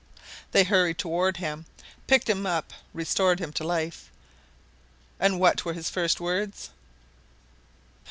They hurried toward him, picked him up, restored him to life. And what were his first words?